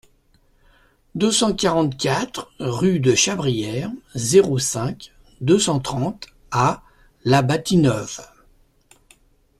deux cent quarante-quatre rue de Chabrière, zéro cinq, deux cent trente à La Bâtie-Neuve